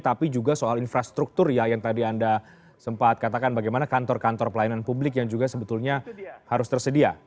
tapi juga soal infrastruktur ya yang tadi anda sempat katakan bagaimana kantor kantor pelayanan publik yang juga sebetulnya harus tersedia